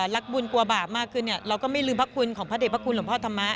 รักบุญกลัวบาปมากขึ้นเราก็ไม่ลืมพระคุณของพระเด็จพระคุณหลวงพ่อธรรมะ